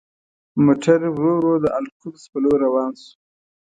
موټر ورو ورو د القدس په لور روان شو.